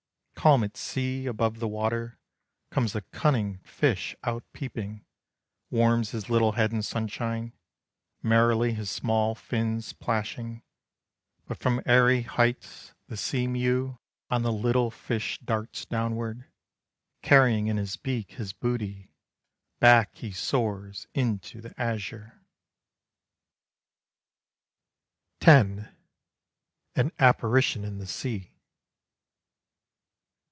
Calm at sea! above the water comes a cunning fish out peeping. Warms his little head in sunshine, Merrily his small fins plashing. But from airy heights, the sea mew On the little fish darts downward. Carrying in his beak his booty Back he soars into the azure. X. AN APPARITION IN THE SEA.